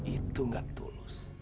itu gak tulus